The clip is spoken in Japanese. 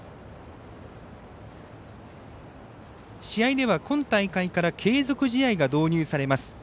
試合では、今大会から継続試合が導入されます。